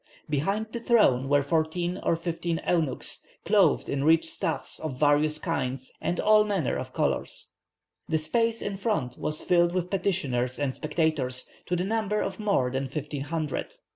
Behind the throne were fourteen or fifteen eunuchs, clothed in rich stuffs of various kinds and all manner of colours. The space in front was filled with petitioners and spectators, to the number of more than fifteen hundred.